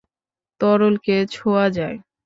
তরলকে ছোঁয়া যায়।